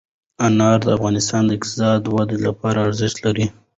انار د افغانستان د اقتصادي ودې لپاره ارزښت لري.